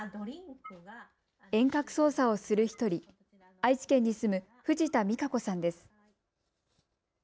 遠隔操作をする１人、愛知県に住む藤田美佳子さんです。